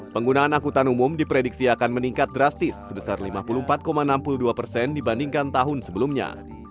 penggunaan angkutan umum diprediksi akan meningkat drastis sebesar lima puluh empat enam puluh dua persen dibandingkan tahun sebelumnya